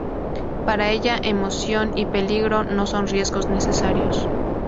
Para ella, emoción y peligro no son riesgos necesarios.